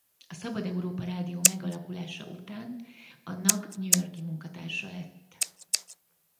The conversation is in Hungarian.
A Szabad Európa Rádió megalakulása után annak New York-i munkatársa lett.